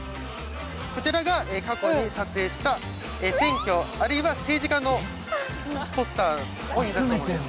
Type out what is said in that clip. こちらが過去に撮影した選挙あるいは政治家のポスターを印刷したものです。